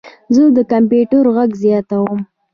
زه د کمپیوټر غږ زیاتوم.